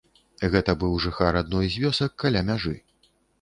Гэта быў жыхар адной з вёсак каля мяжы.